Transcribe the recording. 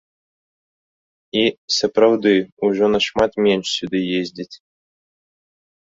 І, сапраўды, ужо нашмат менш сюды ездзяць.